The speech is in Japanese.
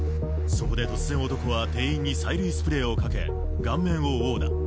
そこで突然、男は店員に催涙スプレーをかけ顔面を殴打。